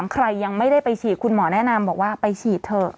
ใครยังไม่ได้ไปฉีดคุณหมอแนะนำบอกว่าไปฉีดเถอะ